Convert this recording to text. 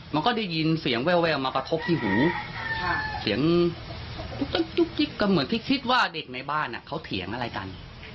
มันก็ได้ยินเสียงแววมากระทบที่หูเสียงจุ๊กก็เหมือนที่คิดว่าเด็กในบ้านเขาเถียงอะไรกัน